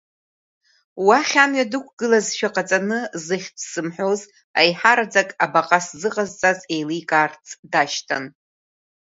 Уахь амҩа дықәгылазшәа ҟаҵаны, зыхьӡ сымҳәоз, аиҳараӡак абаҟа сзыҟазҵаз еиликаарц дашьҭан.